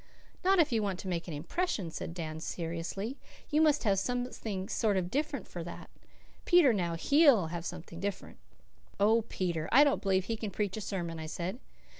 "Not if you want to make an impression," said Dan seriously. "You must have something sort of different for that. Peter, now, HE'LL have something different." "Oh, Peter! I don't believe he can preach a sermon," I said.